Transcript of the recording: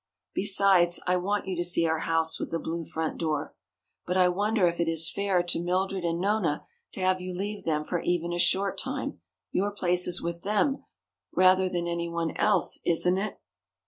Besides, I want you to see our 'House with the Blue Front Door.' But I wonder if it is fair to Mildred and Nona to have you leave them for even a short time? Your place is with them rather than any one else, isn't it?"